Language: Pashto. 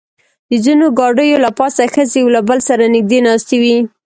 د ځینو ګاډیو له پاسه ښځې یو له بل سره نږدې ناستې وې.